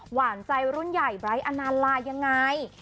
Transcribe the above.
หวานใจรุ่นใหญ่ไบร์ทอนานลายังไง